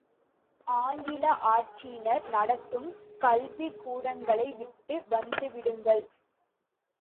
ஆங்கில ஆட்சியினர் நடத்தும் கல்விக்கூடங்களை விட்டு வந்துவிடுங்கள்.